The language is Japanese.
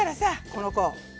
この子。